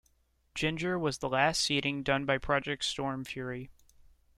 Ginger was the last seeding done by Project Stormfury.